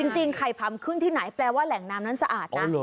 จริงไข่พำขึ้นที่ไหนแปลว่าแหล่งน้ำนั้นสะอาดนะ